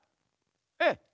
ええ。